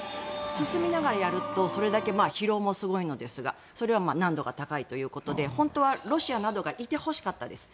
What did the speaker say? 進みながらやると疲労もすごいですがそれは難度が高いということで本当はロシアなどがいてほしかったです。